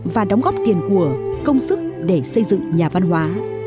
và đóng góp tiền của công sức để xây dựng nhà văn hóa